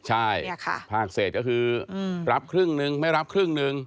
ใช่ภาคเศษก็คือรับครึ่งนึงไม่รับครึ่งหนึ่ง